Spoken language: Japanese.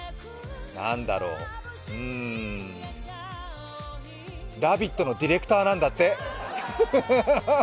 何だろう、うん、「ラヴィット！」のディレクターなんだって！